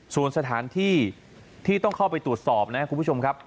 ส่วนสถานที่ที่ต้องเข้าไปตรวจสอบนะครับคุณผู้ชมครับ